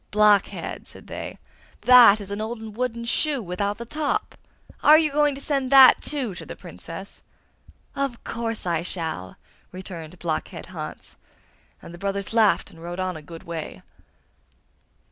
'Blockhead!' said they, 'that is an old wooden shoe without the top! Are you going to send that, too, to the Princess?' 'Of course I shall!' returned Blockhead Hans; and the brothers laughed and rode on a good way.